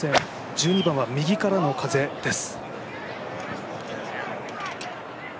１２番は右からの風です。